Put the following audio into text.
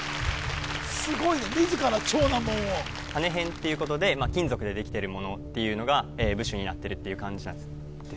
すごいね金偏っていうことで金属でできてるものっていうのが部首になってるっていう漢字なんです